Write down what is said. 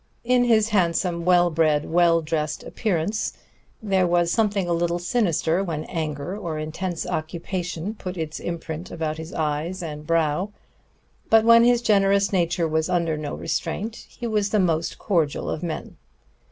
In his handsome, well bred, well dressed appearance there was something a little sinister when anger or intense occupation put its imprint about his eyes and brow; but when his generous nature was under no restraint he was the most cordial of men.